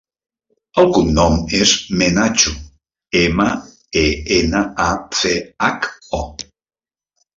El cognom és Menacho: ema, e, ena, a, ce, hac, o.